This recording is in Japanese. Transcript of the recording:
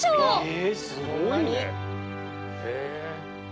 えすごいね！